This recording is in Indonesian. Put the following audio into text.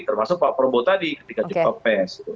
termasuk pak probo tadi ketika juga pes